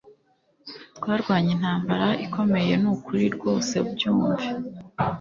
Twarwanye intambara ikomeye nukuri rwose byumve